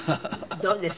どうです？